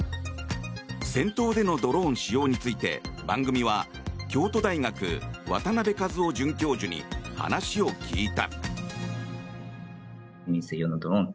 戦闘でのドローン使用について番組は、京都大学渡辺一生准教授に話を聞いた。